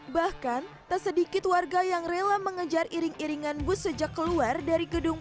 bahkan tak sedikit warga yang rela mengejar iring iringan bus sejak keluar dari gedung